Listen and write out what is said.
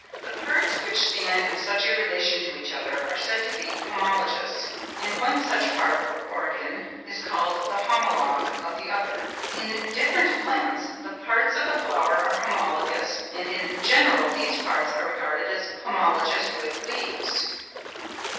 The parts which stand in such a relation to each other are said to be homologous, and one such part or organ is called the homologue of the other. In different plants the parts of the flower are homologous, and in general these parts are regarded as homologous with leaves.